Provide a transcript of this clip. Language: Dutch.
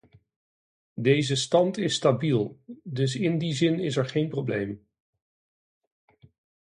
Deze stand is stabiel, dus in die zin is er geen probleem.